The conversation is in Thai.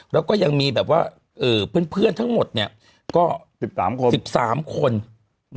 แล้วก็ยังมีแบบว่าเพื่อนทั้งหมดก็๑๓คน๑๓คน